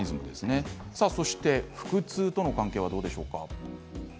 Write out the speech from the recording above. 腹痛との関係はどうでしょうか？